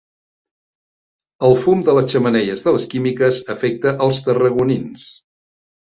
El fum de les xemeneies de les químiques afecta els tarragonins.